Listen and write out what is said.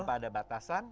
tanpa ada batasan